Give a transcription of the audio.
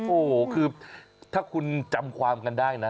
โอ้โหคือถ้าคุณจำความกันได้นะตอนเด็ดเสร็จแหละ